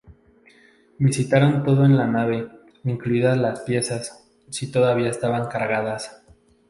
Visitaron todo en la nave, incluidas las piezas, si todavía estaban cargadas.